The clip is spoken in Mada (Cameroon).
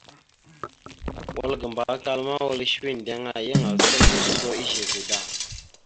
Wal ga Mbakala ma, wal səwe eɗeŋa, yan asal moslo ezeve da.